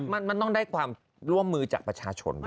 ใช่แล้วมันต้องได้ความร่วมมือจากประชาชนด้วย